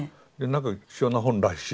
なんか貴重な本らしい。